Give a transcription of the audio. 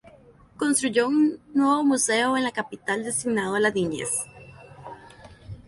Construyó un nuevo museo en la capital destinado a la niñez.